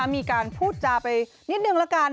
มีการพูดจาไปนิดนึงละกัน